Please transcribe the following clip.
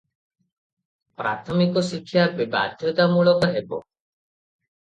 ପ୍ରାଥମିକ ଶିକ୍ଷା ବାଧ୍ୟତାମୂଳକ ହେବ ।